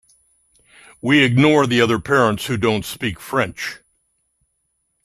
We ignore the other parents who don’t speak French.